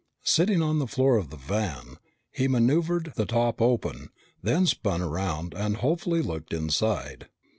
Sitting on the floor of the van, he maneuvered the top open, then spun around and hopefully looked inside.